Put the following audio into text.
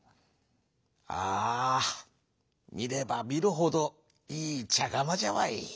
「ああみればみるほどいいちゃがまじゃわい。